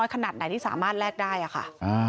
ขนาดไหนที่สามารถแลกได้อะค่ะ